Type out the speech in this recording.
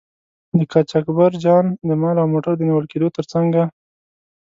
د قاچاقبرجان د مال او موټر د نیول کیدو تر څنګه.